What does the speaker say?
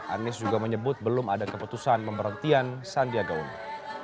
anies juga menyebut belum ada keputusan pemberhentian sandiaga uno